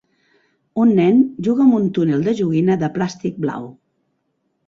Un nen juga amb un túnel de joguina de plàstic blau.